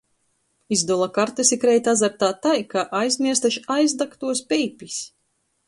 Izdola kartys i kreit azartā tai, ka aizmierst až aizdagtuos peipis.